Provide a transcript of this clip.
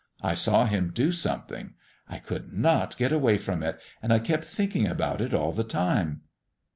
I saw Him do something; I could not get away from it, and I kept thinking about it all the time."